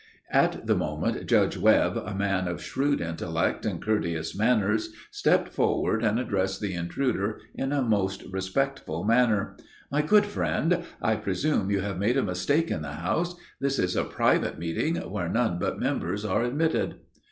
At the moment, Judge Webb, a man of shrewd intellect and courteous manners, stepped forward, and addressed the intruder in a most respectful manner: "My good friend, I presume you have made a mistake in the house. This is a private meeting, where none but members are admitted."